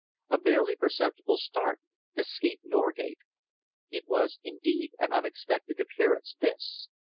A barely perceptible start escaped Norgate. It was indeed an unexpected appearance, this!